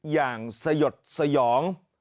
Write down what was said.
อย่างสยดสยอง